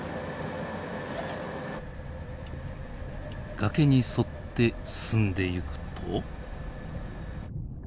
崖に沿って進んでいくと。